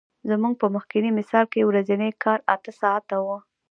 زموږ په مخکیني مثال کې ورځنی کار اته ساعته وو